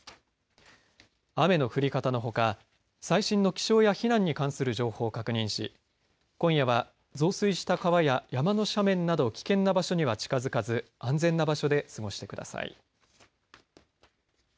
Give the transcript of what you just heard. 雨の降り方のほか最新の気象や避難に関する情報を確認し今夜は増水した川や山の斜面など危険な場所には近づかず安全な場所で過ごしてください。